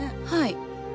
はい。